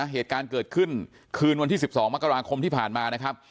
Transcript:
เหตุการณ์เกิดขึ้นคืนวันที่๑๒มกราคมที่ผ่านมานะครับ